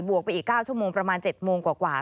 วกไปอีก๙ชั่วโมงประมาณ๗โมงกว่า